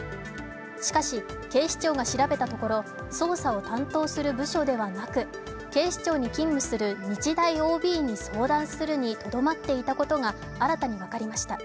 しかし、警視庁が調べたところ、捜査を担当する部署ではなく、警視庁に勤務する日大ＯＢに相談するにとどまっていたことが新たに分かりました。